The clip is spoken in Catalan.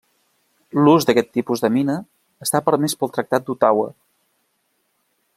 L'ús d'aquest tipus de mina està permès pel Tractat d'Ottawa.